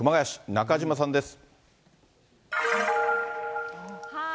中島さんです。